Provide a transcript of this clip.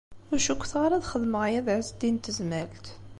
Ur cukkteɣ ara ad xedmeɣ aya d Ɛezdin n Tezmalt.